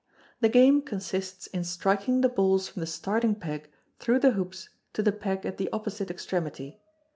The game consists in striking the balls from the starting peg through the hoops to the peg at the opposite extremity.